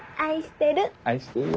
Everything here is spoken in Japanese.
愛してる。